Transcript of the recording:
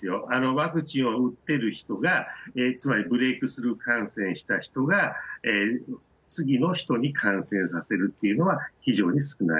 ワクチンを打ってる人が、つまりブレークスルー感染した人が、次の人に感染させるっていうのは非常に少ない。